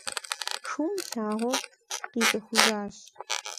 Шум лъагъуэр къицӏыхужащ.